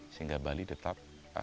sehingga bali tetap